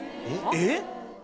えっ？